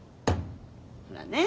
ほらね